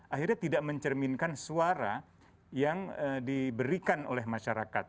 akhirnya tidak mencerminkan suara yang diberikan oleh masyarakat